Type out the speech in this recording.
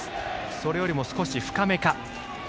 それよりも少し深めか。